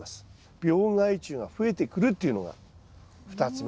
病害虫が増えてくるというのが２つ目です。